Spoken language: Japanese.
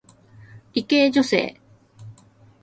理系女性